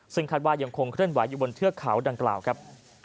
ซึ่งคาดว่ายังคงเคลื่อนไหวอยู่บนเทือกเขาดังกล่าวครับ